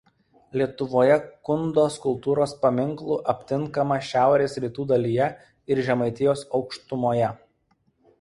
Lietuvoje Kundos kultūros paminklų aptinkama šiaurės rytų dalyje ir Žemaitijos aukštumoje.